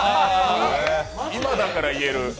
今だから言える。